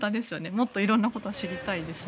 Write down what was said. もっと色んなことを知りたいですね。